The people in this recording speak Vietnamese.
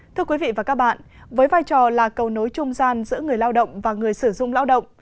thưa quý vị và các bạn với vai trò là cầu nối trung gian giữa người lao động và người sử dụng lao động